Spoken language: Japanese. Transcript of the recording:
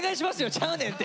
ちゃうねんて！